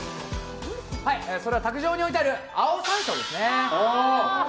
それは卓上に置いてある青山椒ですね。